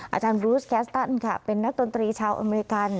อาจารย์บรูสแกสตันค่ะเป็นนักดนตรีชาวอเมริกัน